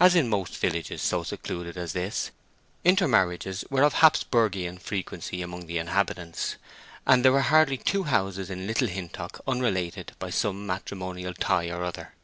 As in most villages so secluded as this, intermarriages were of Hapsburgian frequency among the inhabitants, and there were hardly two houses in Little Hintock unrelated by some matrimonial tie or other.